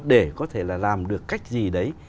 để có thể là làm được cách gì đấy